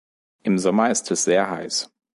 Im Sommer ist es sehr heiß.